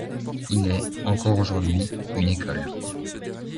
Il est, encore aujourd'hui, une école.